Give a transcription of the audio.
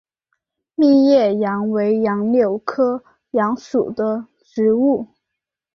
密叶杨为杨柳科杨属的植物。